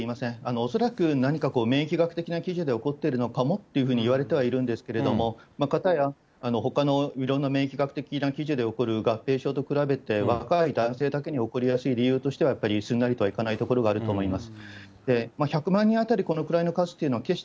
おそらく、何か免疫学的なきじで起こっているのかもっていうふうに言われてはいるんですけれども、片や、ほかのいろんな免疫学的な基準で起こる合併症と比べて、若い男性だけに起こりやすい理由としてはやっぱりすんなりとはいかないところがあると思います。